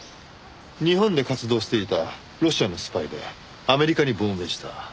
日本で活動していたロシアのスパイでアメリカに亡命した。